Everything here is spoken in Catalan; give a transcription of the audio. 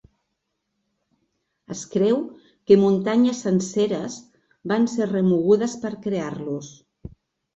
Es creu que muntanyes senceres van ser remogudes per crear-los.